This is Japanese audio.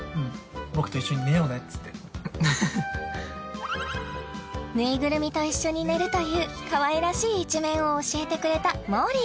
僕と一緒に寝ようねっつってぬいぐるみと一緒に寝るという可愛らしい一面を教えてくれたもーりー